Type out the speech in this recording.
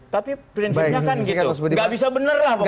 tapi prinsipnya kan gitu nggak bisa bener lah pokoknya